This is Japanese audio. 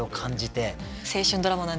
青春ドラマも。